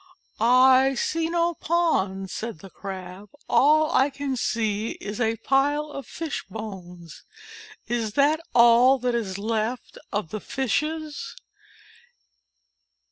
"I see no pond," said the Crab. "All I can see is a pile of Fish bones. Is that all that is left of the Fishes